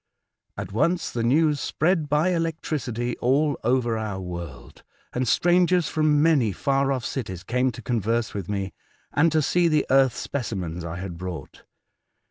At once the news spread by electricity all over our world, and strangers from many far Welcome Home. 81 off cities came to converse with me, and to see the earth specimens I had brought.